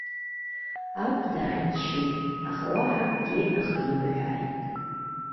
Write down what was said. Аб дааччеит, аха уаҳа акгьы ахимҳәааит.